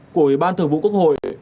của ủy ban thượng vụ quốc hội